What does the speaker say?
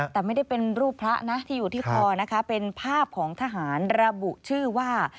แต่ไม่ได้เป็นรูปพระนะที่อยู่ที่คอนะคะเป็นภาพของทหารระบุชื่อว่า